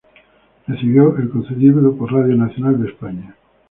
Recibió el concedido por Radio Nacional de España.